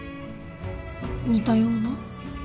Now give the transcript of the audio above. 似たような？